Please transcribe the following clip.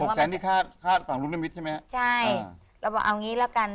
หกแสนที่ฆ่าฆ่าฝังลูกนิมิตรใช่ไหมใช่อ่าเราบอกเอางี้ละกัน